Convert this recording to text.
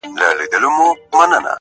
روح مي نو څه وخت مهربانه په کرم نیسې.